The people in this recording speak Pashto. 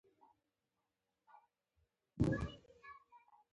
ستاسو څه ستونزه ده؟